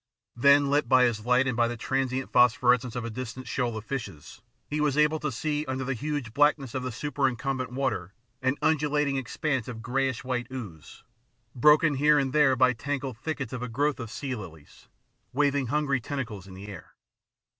Then, lit by his light and by the transient phos phorescence of a distant shoal of fishes, he was able to see under the huge blackness of the super incum bent water an undulating expanse of greyish white ooze, broken here and there by tangled thickets of a growth of sea lilies, waving hungry tentacles in the air.